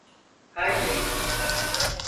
Haydi!